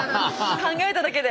考えただけで。